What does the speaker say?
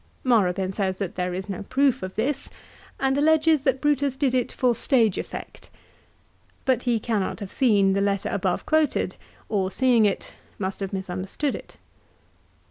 Morabin says that there is no proof of this and alleges that Brutus did it for stage effect. But he cannot have seen the letter above quoted, or seeing it must have misunderstood it.